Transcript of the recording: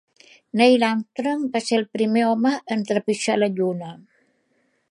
Neil Armstrong va ser el primer home en trepitjar la lluna.